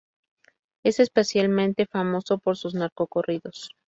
Es especialmente famoso por sus Narco-corridos.